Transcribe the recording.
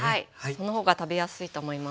その方が食べやすいと思います。